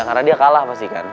karena dia kalah pasti kan